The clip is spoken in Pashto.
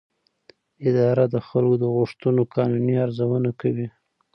اداره د خلکو د غوښتنو قانوني ارزونه کوي.